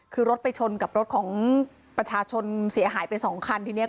คือรถไปชนกับรถของประชาชนเสียหายไปสองคันทีเนี้ย